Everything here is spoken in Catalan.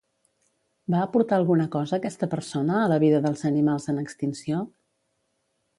Va aportar alguna cosa aquesta persona a la vida dels animals en extinció?